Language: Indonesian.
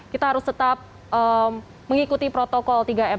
kita harus tetap mengikuti protokol tiga m